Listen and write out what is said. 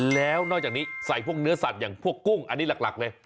แล้วนอกจากนี้ใส่พวกเนื้อสัตว์อย่างพวกกุ้งอันนี้หลักเลย